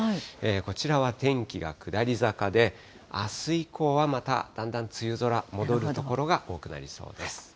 こちらは天気が下り坂で、あす以降はまた、だんだん梅雨空、戻る所が多くなりそうです。